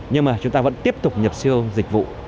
nhưng mà chúng ta vẫn tiếp tục nhập siêu dịch vụ